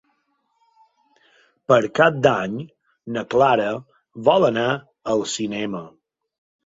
Per Cap d'Any na Clara vol anar al cinema.